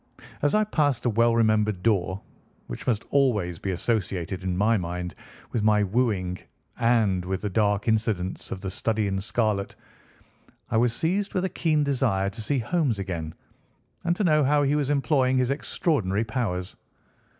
As I passed the well remembered door, which must always be associated in my mind with my wooing, and with the dark incidents of the Study in Scarlet, I was seized with a keen desire to see Holmes again, and to know how he was employing his extraordinary powers.